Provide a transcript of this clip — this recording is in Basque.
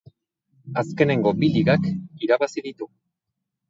Azkenengo bi ligak irabazi ditu.